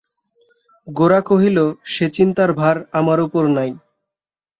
গোরা কহিল, সে চিন্তার ভার আমার উপর নেই।